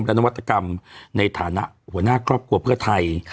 และนวัตกรรมในฐานะหัวหน้าครอบครัวเพื่อไทย